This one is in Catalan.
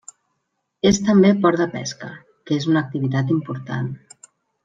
És també port de pesca, que és una activitat important.